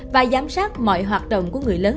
và giám sát mọi hoạt động của người lớn